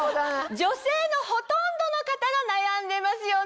女性のほとんどの方が悩んでますよね。